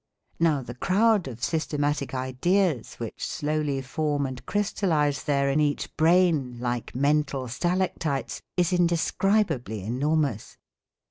Now the crowd of systematic ideas which slowly form and crystallise there in each brain like mental stalactites is indescribably enormous.